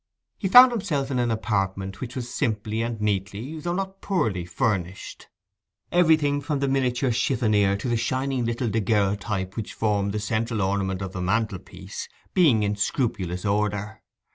He found himself in an apartment which was simply and neatly, though not poorly furnished; everything, from the miniature chiffonnier to the shining little daguerreotype which formed the central ornament of the mantelpiece, being in scrupulous order.